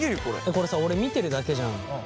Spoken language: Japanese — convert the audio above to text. これさ俺見てるだけじゃん。